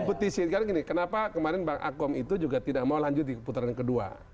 kompetisi sekarang gini kenapa kemarin bang akom itu juga tidak mau lanjut di putaran kedua